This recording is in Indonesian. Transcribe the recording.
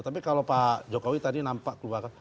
tapi kalau pak jokowi tadi nampak keluar